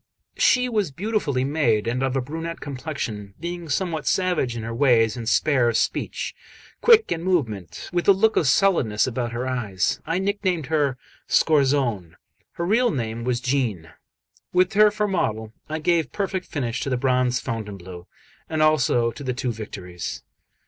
She was beautifully made and of a brunette complexion. Being somewhat savage in her ways and spare of speech, quick in movement, with a look of sullenness about her eyes, I nicknamed her Scorzone; her real name was Jeanne. With her for model, I gave perfect finish to the bronze Fontainebleau, and also to the two Victories.